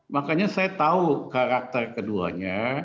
makanya saya tahu karakter keduanya